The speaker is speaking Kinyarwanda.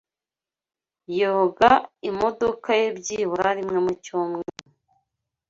Yoga imodoka ye byibura rimwe mu cyumweru.